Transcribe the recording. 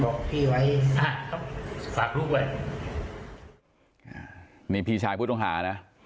บอกพี่ไว้ฝากลูกไว้นี่พี่ชายพุทธองหานะ